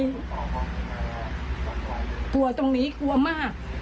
กลัวตรงนี้กลัวมาก